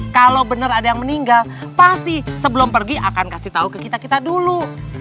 kalau benar ada yang meninggal pasti sebelum pergi akan kasih tahu ke kita kita dulu